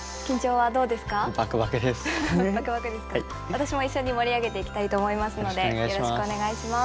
私も一緒に盛り上げていきたいと思いますのでよろしくお願いします。